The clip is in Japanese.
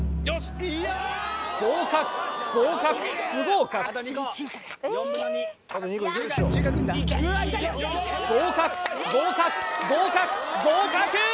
合格合格不合格合格合格合格合格ー！